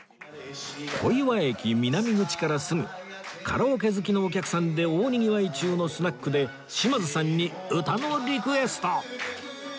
小岩駅南口からすぐカラオケ好きのお客さんで大にぎわい中のスナックで島津さんに歌のリクエスト！